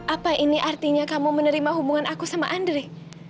apa ini artinya kamu menerima hubungan aku sama andri